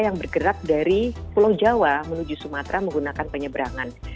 yang bergerak dari pulau jawa menuju sumatera menggunakan penyeberangan